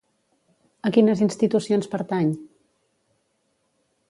A quines institucions pertany?